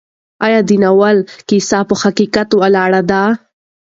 ایا د ناول کیسه په حقیقت ولاړه ده؟